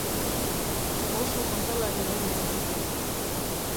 Oso kontalari ona izan zen.